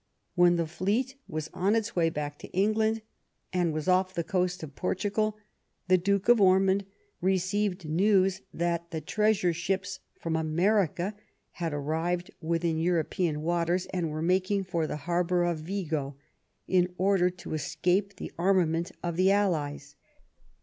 When the fleet was on its way back to England, and was off the coast of Portugal, the Duke of Ormond received news that the treasure ships from America had arrived within European waters, and were making for the harbor of Vigo in order to escape the armament of the allies.